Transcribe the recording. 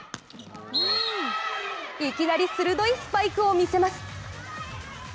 いきなり鋭いスパイクを見せます。